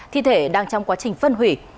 thi thể đang trong quá trình phân hủy